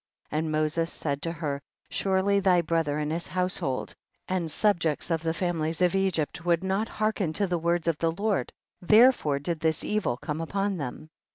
54. And Moses said to her, surely thy brother and his household, and subjects, the families of Egypt, would not hearken to the words of the Lord, therefore did this evil come upon them.